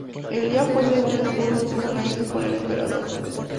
Elia fue su segunda esposa y tuvo una hija con el emperador.